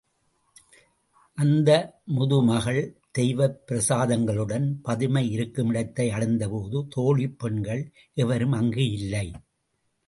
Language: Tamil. அந்த முதுமகள் தெய்வப் பிரசாதங்களுடன் பதுமை இருக்குமிடத்தை அடைந்தபோது தோழிப் பெண்கள் எவரும் அங்கு இல்லை.